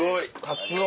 カツオ？